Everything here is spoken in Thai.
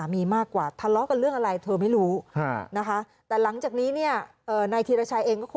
ไม่ได้พูดด่าพูดด่าพ่อนี่เลย